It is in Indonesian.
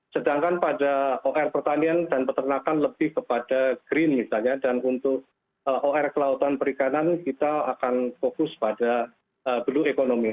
sedangkan pada or pertanian dan peternakan lebih kepada green misalnya dan untuk or kelautan perikanan kita akan fokus pada blue economy